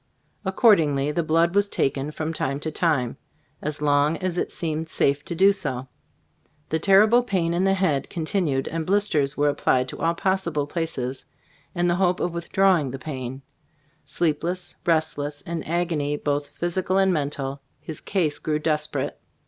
Accordingly, the blood was taken from time to time, as long as it seemed safe to do so. The terrible pain in the head continued and blis Gbe Stors of Ais CbU5boo& *i ters were applied to all possible places, in the hope of withdrawing the pain. Sleepless, restless, in agony both physical and mental, his case grew desperate.